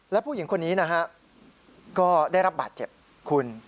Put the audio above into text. และผู้หญิงคนนี้นะฮะก็ได้รับบาดเจ็บคุณ